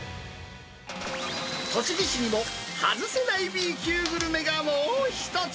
栃木市にも外せないＢ級グルメがもう１つ。